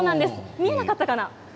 見えなかったかな？